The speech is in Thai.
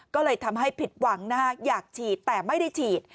ก็เลยทำให้ผิดหวังอยากฉีดแต่ไม่ได้ฉีด